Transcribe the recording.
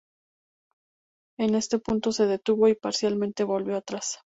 En este punto se detuvo y parcialmente volvió atrás.